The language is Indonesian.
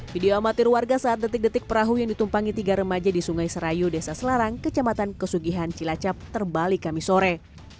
video amatir warga saat detik detik perahu yang ditumpangi tiga remaja di sungai serayu desa selarang kecamatan kesugihan cilacap terbalik kami sore